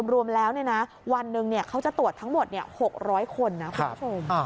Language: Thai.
รวมแล้ววันหนึ่งเขาจะตรวจทั้งหมด๖๐๐คนนะคุณผู้ชม